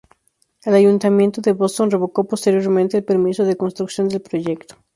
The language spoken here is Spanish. El ayuntamiento de Boston revocó posteriormente el permiso de construcción del proyecto.